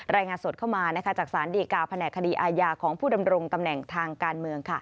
รายงานสดเข้ามาจากสารดีกาแผนกคดีอาญาของผู้ดำรงตำแหน่งทางการเมือง